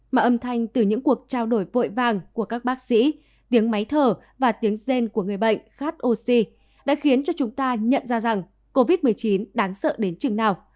mà âm thanh từ những cuộc trao đổi vội vàng của các bác sĩ tiếng máy thở và tiếng gen của người bệnh hát oxy đã khiến cho chúng ta nhận ra rằng covid một mươi chín đáng sợ đến chừng nào